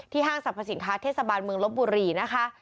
ห้างสรรพสินค้าเทศบาลเมืองลบบุรีนะคะ